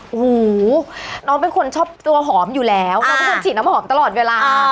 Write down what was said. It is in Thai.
โอ้โหน้องเป็นคนชอบตัวหอมอยู่แล้วน้องเป็นคนฉีดน้ำหอมตลอดเวลา